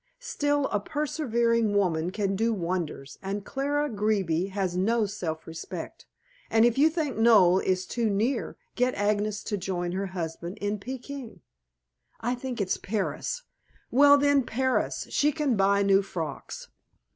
Still a persevering woman can do wonders, and Clara Greeby has no self respect. And if you think Noel is too near, get Agnes to join her husband in Pekin." "I think it's Paris." "Well then, Paris. She can buy new frocks."